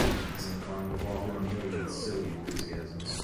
He's inclined to fall for a million silly enthusiasms.